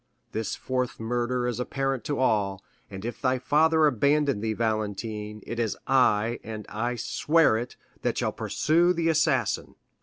This fourth murder is apparent to all, and if thy father abandon thee, Valentine, it is I, and I swear it, that shall pursue the assassin."